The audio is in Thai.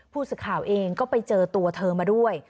ผู้สื่อข่าวเองก็ไปเจอตัวเธอมาด้วย